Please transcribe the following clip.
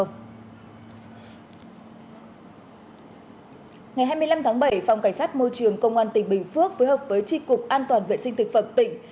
ngày hai mươi năm tháng bảy phòng cảnh sát môi trường công an tỉnh bình phước phối hợp với tri cục an toàn vệ sinh thực phẩm tỉnh